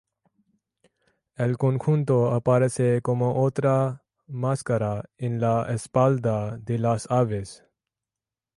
El conjunto aparece como otra máscara en la espalda de las aves.